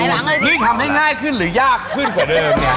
ยิ่งทำให้ง่ายขึ้นหรือยากขึ้นกว่าเดิมเนี่ย